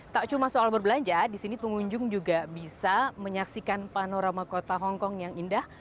tak cuma soal berbelanja di sini pengunjung juga bisa menyaksikan panorama kota hongkong yang indah